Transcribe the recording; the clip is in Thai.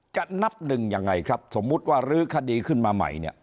จะนับหนึ่งยังไงครับสมมุติว่ารื้อคดีขึ้นมาใหม่เนี่ย